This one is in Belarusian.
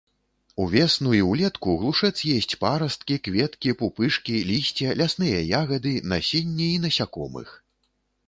Увесну і ўлетку глушэц есць парасткі, кветкі, пупышкі, лісце, лясныя ягады, насенне і насякомых.